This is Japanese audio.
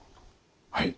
はい。